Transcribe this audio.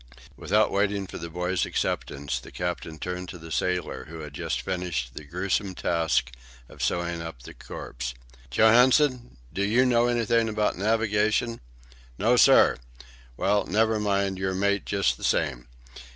Without waiting for the boy's acceptance, the captain turned to the sailor who had just finished the gruesome task of sewing up the corpse. "Johansen, do you know anything about navigation?" "No, sir." "Well, never mind; you're mate just the same.